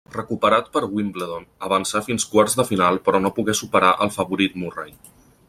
Recuperat per Wimbledon avançà fins quarts de final però no pogué superar el favorit Murray.